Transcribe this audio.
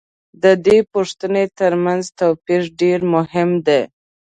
د دې پوښتنو تر منځ توپیر دېر مهم دی.